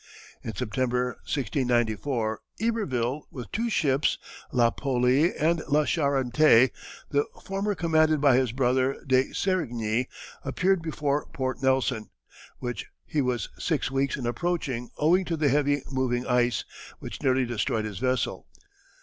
In September, 1694, Iberville, with two ships, la Poli and la Charante, the former commanded by his brother, de Serigny, appeared before Port Nelson, which he was six weeks in approaching owing to the heavy moving ice, which nearly destroyed his vessel.